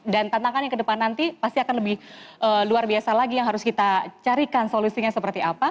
dan tantangan yang ke depan nanti pasti akan lebih luar biasa lagi yang harus kita carikan solusinya seperti apa